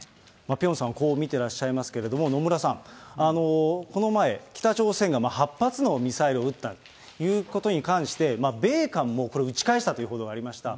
ピョンさんはこう見てらっしゃいますけれども、野村さん、この前、北朝鮮が８発のミサイルを撃ったということに関して、米韓もこれ撃ち返したという報道がありました。